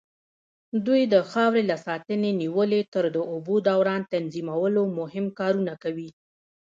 دوی د خاورې له ساتنې نيولې تر د اوبو دوران تنظيمولو مهم کارونه کوي.